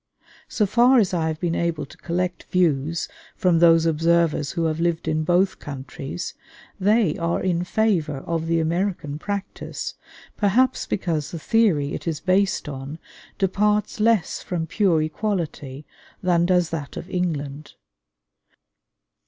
So far as I have been able to collect views from those observers who have lived in both countries, they are in favor of the American practice, perhaps because the theory it is based on departs less from pure equality than does that of England.